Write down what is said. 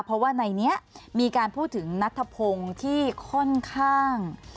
เพราะว่าในนี้มีการพูดถึงนัทธพงศ์ที่ค่อนข้าง